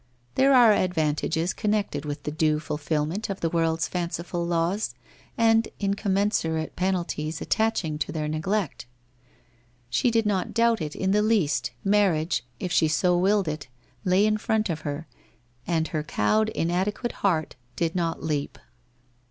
There are advantages connected with the due fulfilment of the world's fanciful laws, and incommensurate penalties attaching to their neglect. She did not doubt it in the least, marriage, if she so willed it, lay in front of her, and her cowed inadequate heart did not leap.